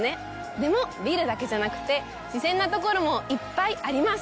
でも、ビルだけじゃなくて、自然なところもいっぱいあります！